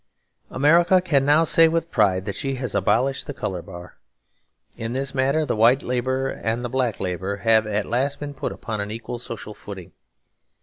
America can now say with pride that she has abolished the colour bar. In this matter the white labourer and the black labourer have at last been put upon an equal social footing.